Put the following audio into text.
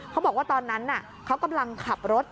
เขาบอกว่าตอนนั้นเขากำลังขับรถ